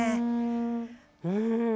うん。